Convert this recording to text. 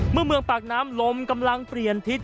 เมื่อเมืองปากน้ำลมกำลังเปลี่ยนทิศ